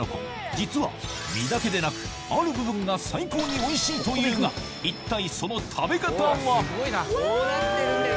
実は身だけでなくある部分が最高においしいというが一体その食べ方はこうなってるんだよ